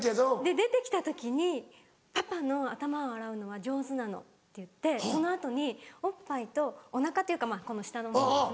出て来た時に「パパの頭を洗うのは上手なの」って言ってその後におっぱいとお腹というかこの下の部分ですね。